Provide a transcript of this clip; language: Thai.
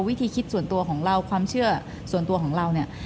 วิธีคิดส่วนตัวของเราความเชื่อส่วนตัวของเราเนี่ย